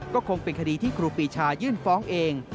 ก็คงเป็นคดีที่ครูปีชายื่นฟ้องเอง